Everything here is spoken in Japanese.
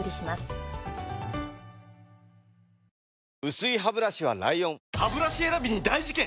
薄いハブラシは ＬＩＯＮハブラシ選びに大事件！